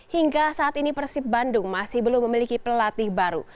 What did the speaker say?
hingga saat ini persib bandung masih belum memiliki pelatih baru